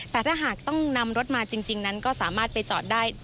แต่ถ้าหากต้องนำรถมาจริงนั้นก็สามารถไปจอดได้